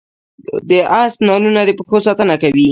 د اس نالونه د پښو ساتنه کوي